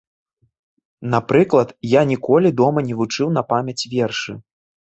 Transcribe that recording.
Напрыклад, я ніколі дома не вучыў на памяць вершы.